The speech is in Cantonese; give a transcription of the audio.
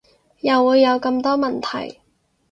又會有咁多問題